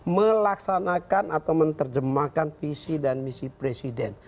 melaksanakan atau menerjemahkan visi dan misi presiden